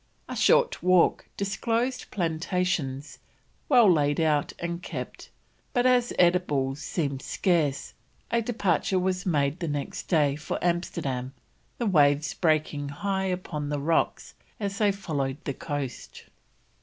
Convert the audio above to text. A short walk disclosed plantations "well laid out and kept," but as eatables seemed scarce, a departure was made the next day for Amsterdam, the waves breaking high upon the rocks as they followed the coast.